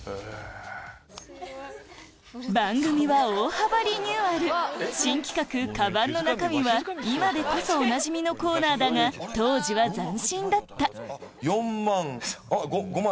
番組は大幅リニューアル新企画「カバンの中身」は今でこそおなじみのコーナーだが当時は斬新だった４万あっ５万。